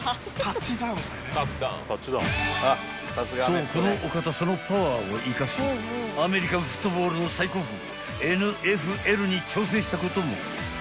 ［そうこのお方そのパワーを生かしアメリカンフットボールの最高峰ＮＦＬに挑戦したことも］